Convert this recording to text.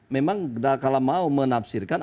memang kalau mau menafsirkan